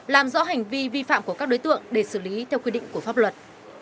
làm rõ hành vi vi phạm của các đối tượng để xử lý theo quy định của pháp luật